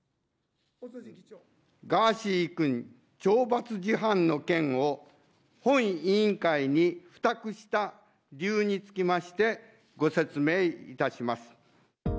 ガーシー君、懲罰事犯の件を本委員会に付託した理由につきましてご説明いたします。